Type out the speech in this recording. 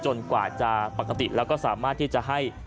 จนกว่าจะปกติแล้วก็สามารถให้